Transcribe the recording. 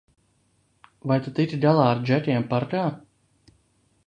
Vai tu tiki galā ar džekiem parkā?